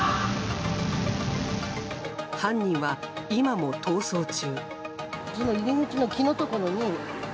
犯人は今も逃走中。